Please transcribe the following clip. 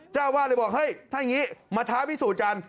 เจ้าวาดเลยบอกเฮ้ยถ้าอย่างนี้มาท้าพิสูจน์กัน